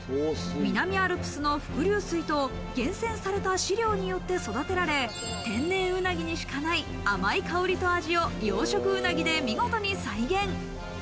南アルプスの伏流水と厳選された飼料によって育てられ、天然うなぎにしかない甘い香りと味を養殖うなぎで見事に再現。